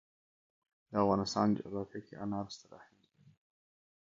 د افغانستان جغرافیه کې انار ستر اهمیت لري.